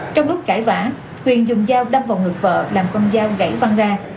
trong lúc cãi vã tuyền dùng dao đâm vào người vợ làm con dao gãy văn ra